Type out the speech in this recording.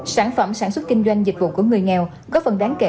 sản phẩm sản xuất kinh doanh dịch vụ của người nghèo góp phần đáng kể